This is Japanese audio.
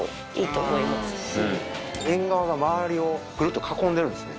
縁側が周りをぐるっと囲んでるんですね。